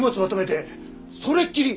それっきり。